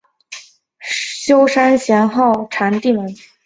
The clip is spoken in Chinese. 法名为休山贤好禅定门。